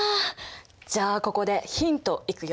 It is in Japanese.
じゃあここでヒントいくよ。